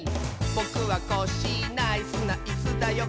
「ぼくはコッシーナイスなイスだよ」